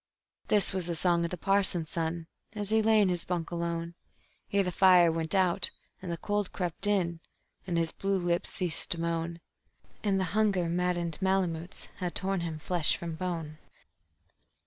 _This was the song of the parson's son, as he lay in his bunk alone, Ere the fire went out and the cold crept in, and his blue lips ceased to moan, And the hunger maddened malamutes had torn him flesh from bone.